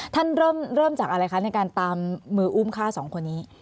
ท่านเริ่มจากอะไรคะในการตามมืออุ้มฆ่าสองคนนี้